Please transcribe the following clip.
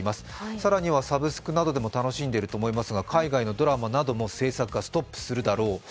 さらにはサブスクなどでも楽しんでると思いますがドラマなどの制作がストップするだろうと。